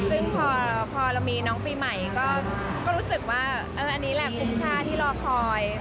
ซึ่งพอเรามีน้องปีใหม่ก็รู้สึกว่าอันนี้แหละคุ้มค่าที่รอคอย